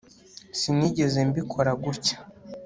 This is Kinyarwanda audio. Sinigeze mbikora gutya